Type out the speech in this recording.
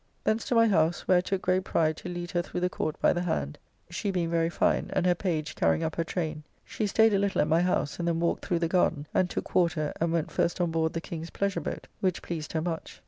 Thence to my house, where I took great pride to lead her through the Court by the hand, she being very fine, and her page carrying up her train. She staid a little at my house, and then walked through the garden, and took water, and went first on board the King's pleasure boat, which pleased her much.